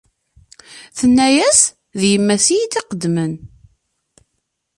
Tenna-as: “D yemma-s i yi-d-iqeddmen.”